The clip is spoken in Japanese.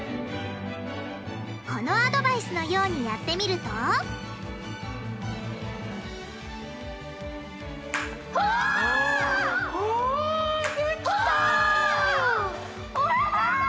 このアドバイスのようにやってみるとわできた！